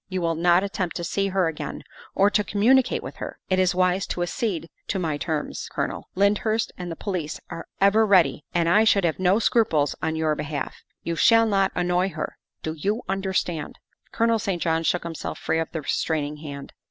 You will not attempt to see her again or to communicate with her. It is wise to accede to my terms, Colonel; Lyndhurst and the police are ever ready, and I should have no scruples on your behalf. You shall not annoy her do you understand?" Colonel St. John shook himself free of the restraining hand.